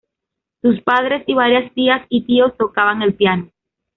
Sus padres, y varias tías y tíos, tocaban el piano.